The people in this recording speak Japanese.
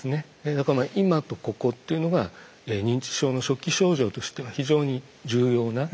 だからまあ今とここっていうのが認知症の初期症状としては非常に重要な２つのポイントで。